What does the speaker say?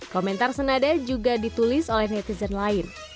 komentar senada juga ditulis oleh netizen lain